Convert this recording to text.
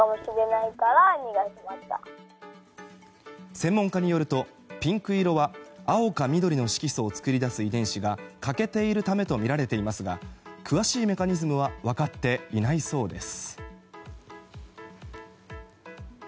専門家によるとピンク色は青か緑の色素を作り出す遺伝子が欠けているためとみられていますが詳しいメカニズムは分かっていないそうです。